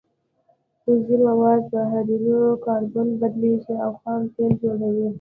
عضوي مواد په هایدرو کاربن بدلیږي او خام تیل جوړوي